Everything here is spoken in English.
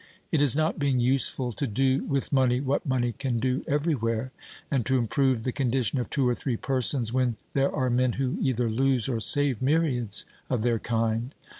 It is not being useful to do with money what money can do everywhere, and to improve the condition of two or three persons when there are men who either lose or save myriads of their kind.